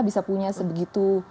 bisa punya sebegitu